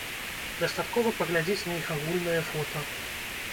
Дастаткова паглядзець на іх агульнае фота.